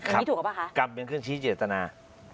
กรรมเป็นเครื่องชี้เจตนา